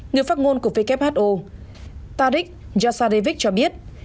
người phát ngôn của who tariq yassarevic cho biết